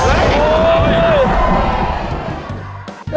อะไร